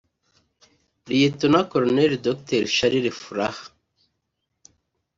Lt Col Dr Charles Furaha